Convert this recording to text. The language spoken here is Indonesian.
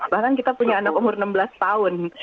bahkan kita punya anak umur enam belas tahun